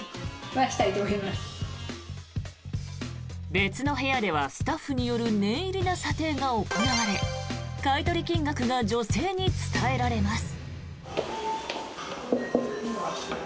別の部屋ではスタッフによる念入りな査定が行われ買い取り金額が女性に伝えられます。